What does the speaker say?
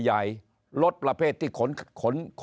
นายกรัฐมนตรีพูดเรื่องการปราบเด็กแว่น